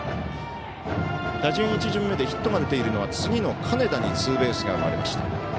打順１巡目でヒットが出ているのは次の金田にツーベースが生まれました。